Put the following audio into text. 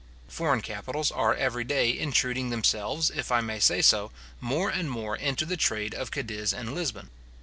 Foreign capitals are every day intruding themselves, if I may say so, more and more into the trade of Cadiz and Lisbon.